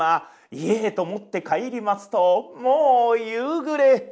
家へと持って帰りますともう夕暮れ。